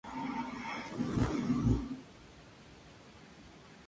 Sus restos descansan en el cementerio municipal de El Palo.